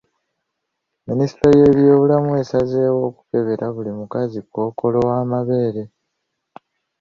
Minisitule y'ebyobulamu esazeewo okukebera buli mukazi Kkookolo w'amabeere.